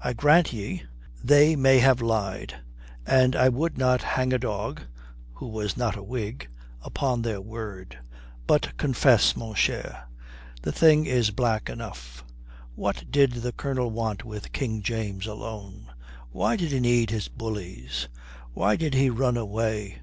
I grant ye, they may have lied, and I would not hang a dog (who was not a Whig) upon their word. But confess, mon cher, the thing is black enough. What did the Colonel want with King James alone? Why did he need his bullies? Why did he run away?